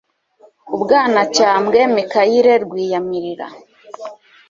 Ubwanacyambwe Mikayire Rwiyamirira